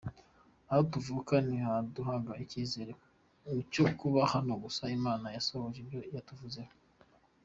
Aho tuvuka ntihaduhaga icyizere cyo kuba hano gusa Imana yasohoje ibyo yatuvuzeho.